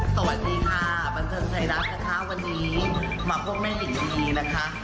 สวัสดีค่ะบันเทิงไทยรัฐนะคะวันนี้มาพบแม่ยินดีนะคะ